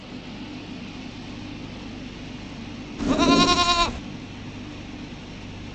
Lami hii haijakauka.